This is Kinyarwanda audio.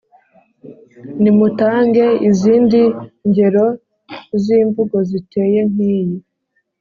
nimutange izindi ngero z’imvugo ziteye nk’iyi